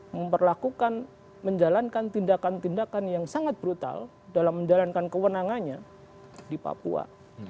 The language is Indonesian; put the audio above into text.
memperlakukan menjalankan tindakan tindakan yang sangat brutal dalam menjalankan kewenangannya di papua